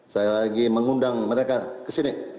saya lagi mengundang mereka ke sini